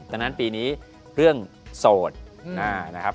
ดังนั้นปีนี้เรื่องโสดนะครับ